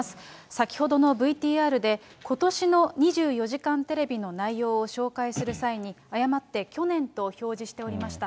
先ほどのＶＴＲで、ことしの２４時間テレビの内容を紹介する際に、誤って去年と表示していました。